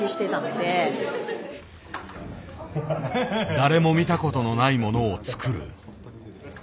誰も見た事のないものを作る。